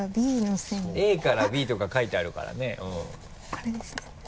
これですね？